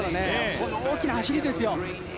この大きな走りですよ。